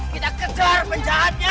kita kejar penjahatnya